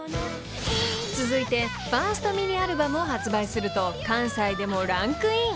［続いてファーストミニアルバムを発売すると関西でもランクイン］